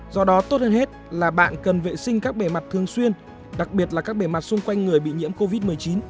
do đó tốt hơn hết là bạn cần vệ sinh các bề mặt thường xuyên đặc biệt là các bề mặt xung quanh người bị nhiễm covid một mươi chín